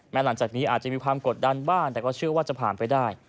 หลังจากนี้อาจจะมีความกดดันบ้างแต่ก็เชื่อว่าจะผ่านไปได้